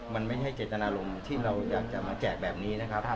มันไม่ใช่เจตนารมณ์ที่เราอยากจะมาแจกแบบนี้นะครับ